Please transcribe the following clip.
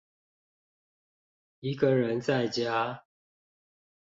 一個人在家